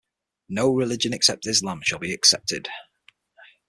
No religion except Islam shall be accepted.